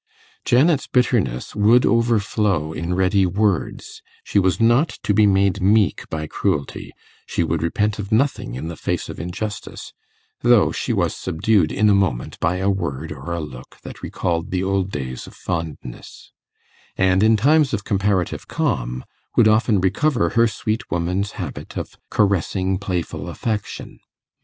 Janet's bitterness would overflow in ready words; she was not to be made meek by cruelty; she would repent of nothing in the face of injustice, though she was subdued in a moment by a word or a look that recalled the old days of fondness; and in times of comparative calm would often recover her sweet woman's habit of caressing playful affection.